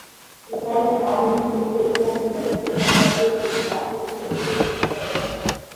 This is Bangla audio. এই কারণেই আধুনিক তুর্কি ঐতিহাসিকরা এটিকে সাম্রাজ্যের প্রথম আসল যুদ্ধ হিসাবে বিবেচনা করে।